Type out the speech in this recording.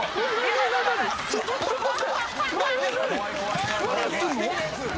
ちょっと待って。